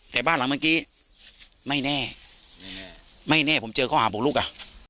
แต่บ้านหลังเมื่อกี้ไม่แน่ไม่แน่ผมเจอข้อหาบุกลุกอ่ะ